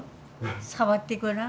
触ってごらん。